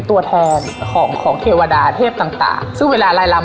ตัวแทนของของเทวดาเทพต่างต่างซึ่งเวลาลายลำ